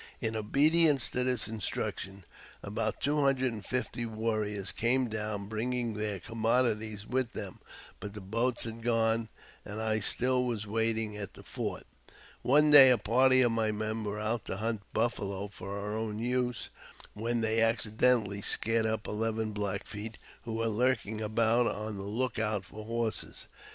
In obedience to this instruction, about two hundred and fifty warriors came down, bringing their commodities with them but the boats had gone, and I still was waiting at the fort. I M II VV ' I JAMES P. BECKWOUBTH. 309 One day a party of my men were out to hunt baffalo for our own use, when they accidentally scared up eleven Black Feet, who were lurking about on the look out for horses.